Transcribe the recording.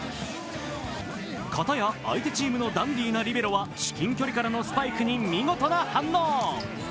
かたや相手チームのダンディーなリベロは至近距離からのスパイクに見事な反応。